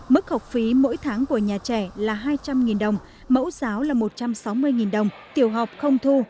mức học phí mỗi tháng của nhà trẻ là hai trăm linh đồng mẫu giáo là một trăm sáu mươi đồng tiểu học không thu